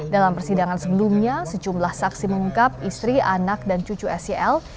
dalam persidangan sebelumnya sejumlah saksi mengungkap istri anak dan cucu sel